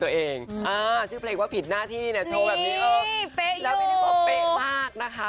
ตัวเองอ่าชื่อเพลงว่าผิดหน้าที่เนี่ยโชว์แบบนี้เออแล้วพี่นึกว่าเป๊ะมากนะคะ